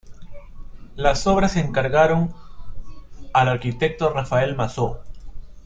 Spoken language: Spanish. Las obras se encargaron al arquitecto Rafael Masó.